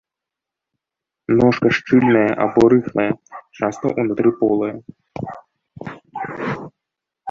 Ножка шчыльная або рыхлая, часта ўнутры полая.